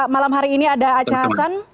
malam hari ini ada aceh hasan